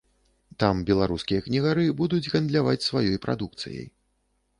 Там беларускія кнігары будуць гандляваць сваёй прадукцыяй.